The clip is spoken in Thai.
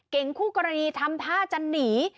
คู่กรณีทำท่าจะหนี